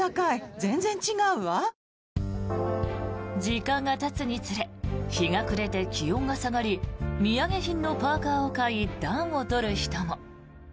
時間がたつにつれ日が暮れて気温が下がり土産品のパーカを買い暖を取る人も。